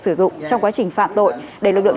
sử dụng trong quá trình phạm tội để lực lượng